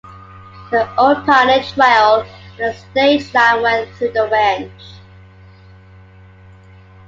The old pioneer trail and the stage line went through their ranch.